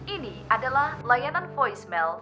ini adalah layanan voicemail